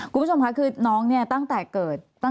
คุณผู้ชมค่ะคือน้องเนี่ยตั้งแต่เกิด